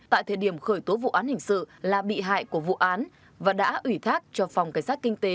tại thời điểm khởi tố vụ án hình sự là bị hại của vụ án và đã ủy thác cho phòng cảnh sát kinh tế